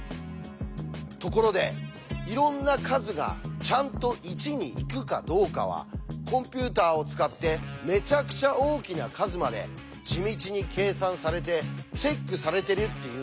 ところでいろんな数がちゃんと１に行くかどうかはコンピューターを使ってめちゃくちゃ大きな数まで地道に計算されてチェックされてるっていうんです。